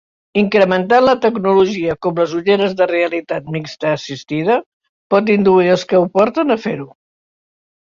Incrementant la tecnologia com les ulleres de realitat mixta assistida pot induir als que ho porten, a fer-ho.